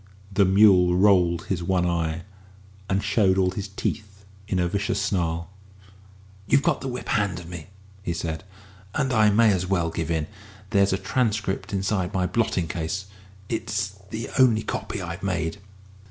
The mule rolled his one eye, and showed all his teeth in a vicious snarl. "You've got the whip hand of me," he said, "and I may as well give in. There's a transcript inside my blotting case it's the only copy I've made."